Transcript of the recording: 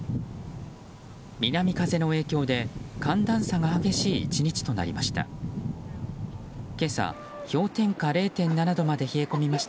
南風の影響で寒暖差が激しい１日となりました。